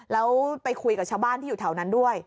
แล้วไปคุยกับชาวบ้านที่อยู่แถวนั้นด้วย